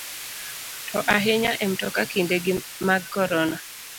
To ahinya e mtoka kinde gi mag korona.